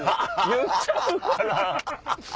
言っちゃうから。